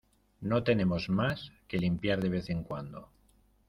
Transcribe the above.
No tenemos más que limpiar de vez en cuando.